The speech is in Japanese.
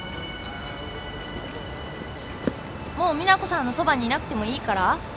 もう実那子さんのそばにいなくてもいいから？